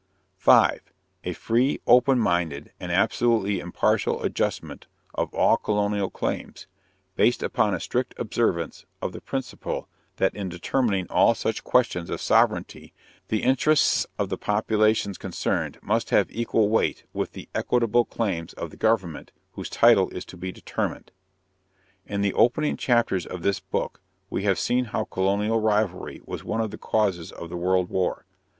5. _A free, open minded, and absolutely impartial adjustment of all colonial claims, based upon a strict observance of the principle that in determining all such questions of sovereignty the interests of the populations concerned must have equal weight with the equitable claims of the government whose title is to be determined._ In the opening chapters of this book we have seen how colonial rivalry was one of the causes of the World War.